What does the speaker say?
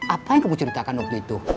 apa yang kamu ceritakan waktu itu